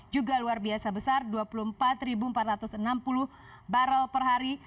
juga luar biasa besar dua puluh empat empat ratus enam puluh barrel per hari